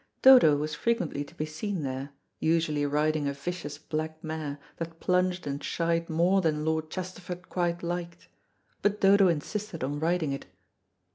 Dodo' was frequently to be seen there, usually riding a vicious black mare, that plunged and shied more than Lord Chesterford quite liked. But Dodo insisted on riding it.